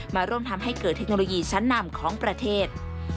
มาร่วมทำให้เกิดเทคโนโลยีชั้นนำของประเทศ